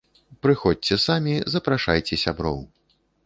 Прыходзьце самі, запрашайце сяброў!